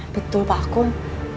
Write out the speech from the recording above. betul pak akung